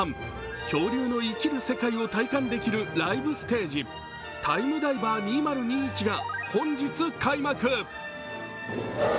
恐竜の生きる世界を体感できるライブステージ、「タイムダイバー２０２１」が本日開幕。